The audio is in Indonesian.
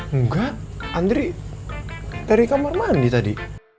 enggak andri dari kamar mandi tadi